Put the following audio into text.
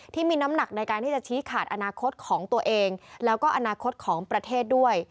ที่มีน้ำหนักในการที่จะชี้ขาดอนาคตของตัวเองแล้วก็อนาคตของประเทศด้วย